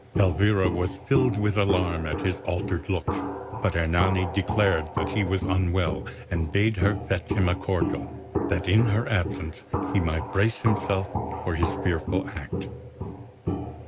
Elvira was filled with alarm at his altered looks; but Ernani declared that he was unwell, and bade her fetch him a cordial, that in her absence he might brace himself for his fearful act.